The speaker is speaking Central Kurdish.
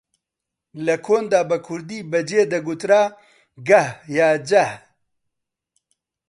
لە کۆندا بە کوردی بە جێ دەگوترا گەه یا جەه